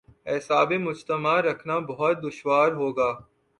اعصاب مجتمع رکھنا بہت دشوار ہو گا۔